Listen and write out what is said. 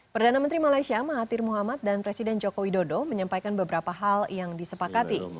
perdana menteri malaysia mahathir muhammad dan presiden joko widodo menyampaikan beberapa hal yang disepakati